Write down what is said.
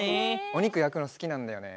おにくやくのすきなんだよね。